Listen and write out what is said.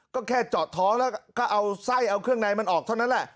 ก็แค่เจาะท้องแล้วก็เอาไส้เอาเครื่องในมันออกเท่านั้นแหละ